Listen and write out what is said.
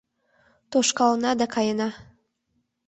Тошкалына да каена.